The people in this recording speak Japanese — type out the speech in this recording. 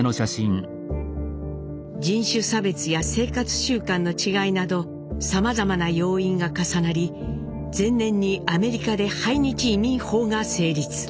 人種差別や生活習慣の違いなどさまざまな要因が重なり前年にアメリカで排日移民法が成立。